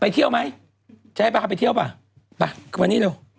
จะให้พาไปเที่ยวป่ะมานี่เร็ว